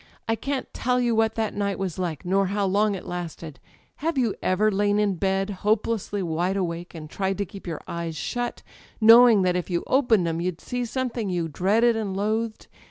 I can't tell you what that night was like, nor how long it lasted. Have you ever lain in bed, hoplessly wide awake, and tried to keep your eyes shut, knowing that if you opened 'em you'd [ 256 ] Digitized by LjOOQ IC THE EYES see. something you dreaded and loathed?